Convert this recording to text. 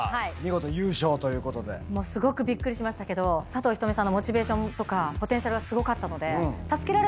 びっくりしましたけど佐藤仁美さんのモチベーションとかポテンシャルがすごかったので。